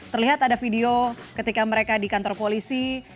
terlihat ada video ketika mereka di kantor polisi